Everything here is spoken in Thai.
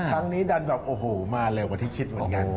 ครั้งนี้ดันแบบโอ้โหมาเร็วกว่าที่คิดเหมือนกัน